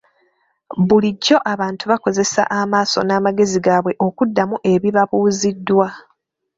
Bulijjo abantu bakozesa amaaso n'amagezi gaabwe okuddamu ebibabuuziddwa.